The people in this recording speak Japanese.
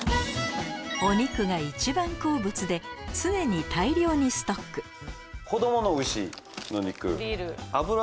お肉が一番好物で常に大量にストックの肉。